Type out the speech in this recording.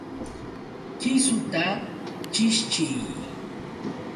¡Kisuta chishchiy!